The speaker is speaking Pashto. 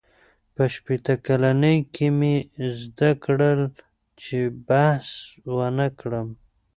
• په شپېته کلنۍ کې مې زده کړل، چې بحث ونهکړم.